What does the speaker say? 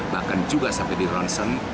bahkan juga sampai di ronsen